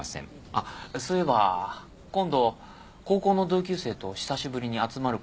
あっそういえば今度高校の同級生と久しぶりに集まることになってね。